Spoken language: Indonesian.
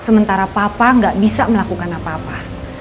sementara papa nggak bisa melakukan apa apa